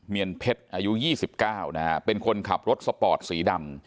เนียนเพชรอายุ๒๙นะฮะเป็นคนขับรถสปอร์ตสีดำ